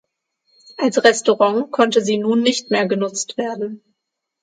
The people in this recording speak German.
Als Restaurant konnte sie nun nicht mehr genutzt werden.